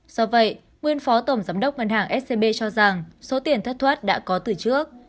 do vậy nguyên phó tổng giám đốc ngân hàng scb cho rằng số tiền thất thoát đã có từ trước